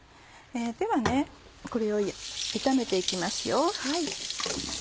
ではこれを炒めて行きますよ。